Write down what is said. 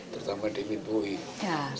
terutama david bowie